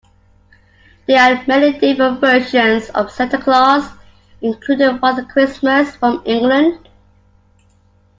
There are many different versions of Santa Claus, including Father Christmas from England